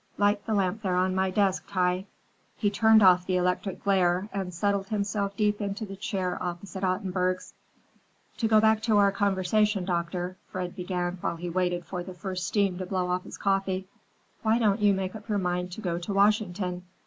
Light the lamp there on my desk, Tai." He turned off the electric glare and settled himself deep into the chair opposite Ottenburg's. "To go back to our conversation, doctor," Fred began while he waited for the first steam to blow off his coffee; "why don't you make up your mind to go to Washington?